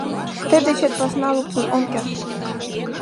Тый дечет посна луктын ом керт.